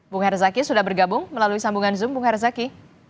bung herzaki sudah bergabung melalui sambungan zoom bung herzaki